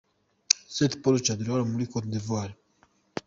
St Paul cathedral yo muri Code d’ ivoire.